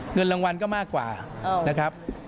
เงินรางวัลก็มากกว่านะครับ